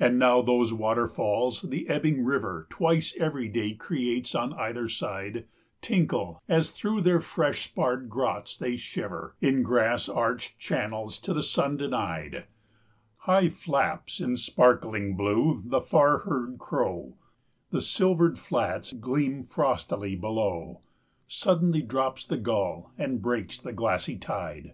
And now those waterfalls the ebbing river Twice every day creates on either side Tinkle, as through their fresh sparred grots they shiver In grass arched channels to the sun denied; 165 High flaps in sparkling blue the far heard crow, The silvered flats gleam frostily below, Suddenly drops the gull and breaks the glassy tide.